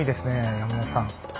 山本さん。